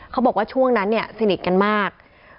เขาบอกว่าช่วงนั้นเนี่ยสนิทกันมาก